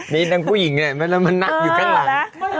มีน้ำผู้หญิงอยู่ข้างหลัง